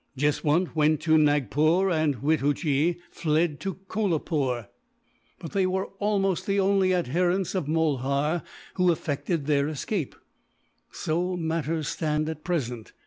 Jeswunt went to Nagpore and Wittoojee fled to Kolapoore, but they were almost the only adherents of Mulhar who effected their escape. "So matters stand, at present.